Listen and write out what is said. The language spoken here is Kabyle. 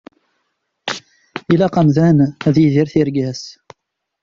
Ilaq amdan ad yidir tirga-s.